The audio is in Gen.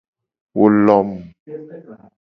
Wo lom.